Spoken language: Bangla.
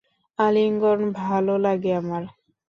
আলিঙ্গন ভালো লাগে আমার।